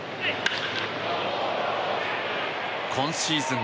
今シーズン